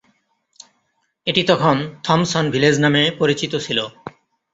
এটি তখন "Thompson Village" নামে পরিচিত ছিল।